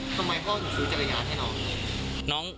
ทำไมพ่อถึงซื้อจักรยานให้น้อง